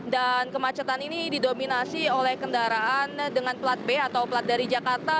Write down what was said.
dan kemacetan ini didominasi oleh kendaraan dengan plat b atau plat dari jakarta